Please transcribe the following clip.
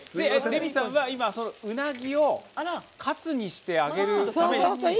レミさんはうなぎをカツにして揚げるために。